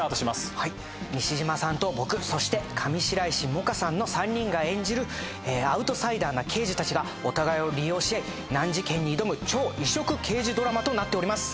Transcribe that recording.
はい西島さんと僕そして上白石萌歌さんの３人が演じるアウトサイダーな刑事たちがお互いを利用し合い難事件に挑む超異色刑事ドラマとなっております